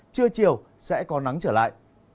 chưa chiều sẽ có nắng trở lại